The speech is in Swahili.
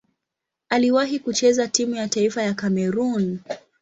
Aliwahi kucheza timu ya taifa ya Kamerun.